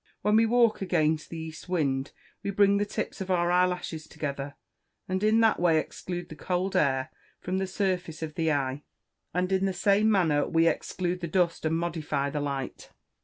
When we walk against the east wind, we bring the tips of our eyelashes together, and in that way exclude the cold air from the surface of the eye; and in the same manner we exclude the dust and modify the light.